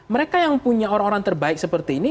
mereka yang punya orang orang terbaik seperti ini